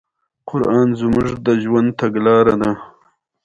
غریب تل د خیر دعا کوي